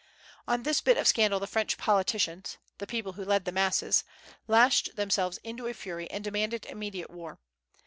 On this bit of scandal the French politicians the people who led the masses lashed themselves into fury, and demanded immediate war.